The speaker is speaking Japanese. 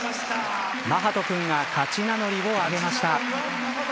眞羽人君が勝ち名乗りを上げました。